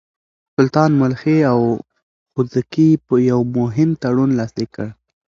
سلطان ملخي او خودکي يو مهم تړون لاسليک کړ.